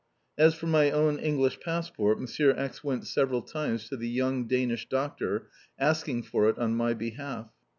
As for my own English passport, Monsieur X. went several times to the young Danish Doctor asking for it on my behalf.